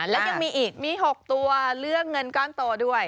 และยังมีอีกมี๖ตัวเลือกเงินก้อนโตด้วย